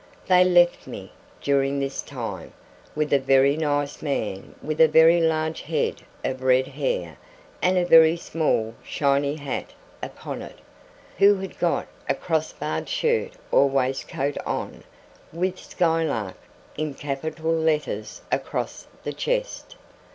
They left me, during this time, with a very nice man with a very large head of red hair and a very small shiny hat upon it, who had got a cross barred shirt or waistcoat on, with 'Skylark' in capital letters across the chest.